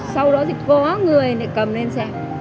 sau đó thì có người lại cầm lên xem